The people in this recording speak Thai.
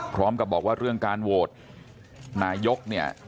พร้อมกับบอกว่าเรื่องการโหวตนายกเนี่ย